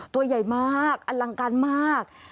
ตัวใหญ่มากอลังการมาก